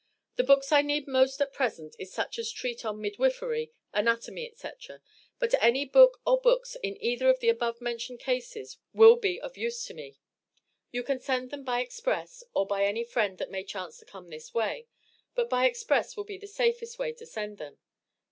The books I need most at present is such as treat on midwifery, anatomy, &c. But any book or books in either of the above mentioned cases will be of use to me. You can send them by Express, or by any friend that may chance to come this way, but by Express will be the safest way to send them.